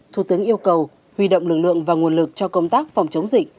thủ tướng yêu cầu huy động lực lượng và nguồn lực cho công tác phòng chống dịch